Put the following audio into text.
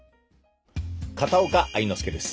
片岡愛之助です。